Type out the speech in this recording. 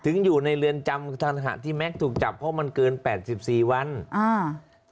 ถึงอยู่ในเรือนจำทันหะที่แม็กซ์ถูกจับเพราะมันเกินแปดสิบสี่วันอ่า